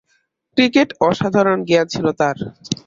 Cricket অসাধারণ জ্ঞান ছিল তার।